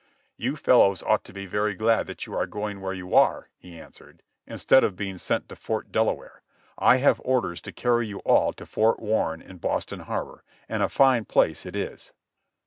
"You fellows ought to be very glad that you are going where you are," he answered, "instead of being sent to Fort Delaware. I have orders to carry you all to Fort Warren in Boston Harbor, and a fine place it is."